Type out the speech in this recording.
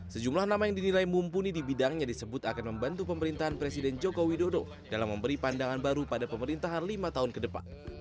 sejumlah nama yang dinilai mumpuni di bidangnya disebut akan membantu pemerintahan presiden joko widodo dalam memberi pandangan baru pada pemerintahan lima tahun ke depan